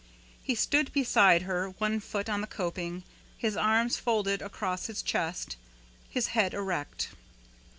He stood beside her, one foot on the coping, his arms folded across his chest, his head erect.